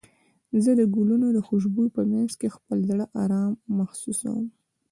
زه د ګلونو د خوشبو په مینځ کې خپل زړه ارام محسوسوم.